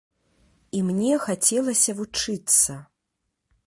І мне хацелася вучыцца.